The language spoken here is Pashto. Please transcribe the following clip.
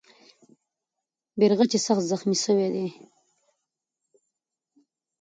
بیرغچی سخت زخمي سوی دی.